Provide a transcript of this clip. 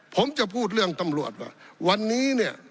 ผมจะพูดเรื่องตำรวจว่าวันนี้เนี่ย